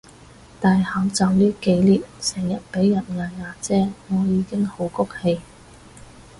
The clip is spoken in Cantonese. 戴口罩呢幾年成日畀人嗌阿姐我已經好谷氣